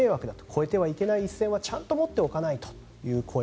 越えてはいけない一線はちゃんと持っておかないとと。